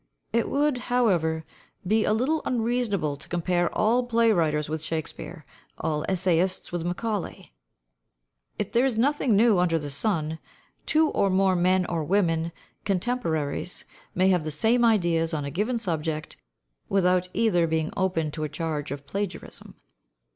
It would, however, be a little unreasonable to compare all play writers with Shakespeare, all essayists with Macaulay. If there is nothing new under the sun, two or more men or women, contemporaries, may have the same ideas on a given subject without either being open to a charge of plagiarism.